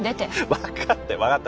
分かったよ分かった